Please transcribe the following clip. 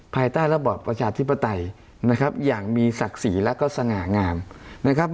ภายใต้ระบอบประชาธิปไตยนะครับอย่างมีศักดิ์ศรีและก็สง่างามนะครับ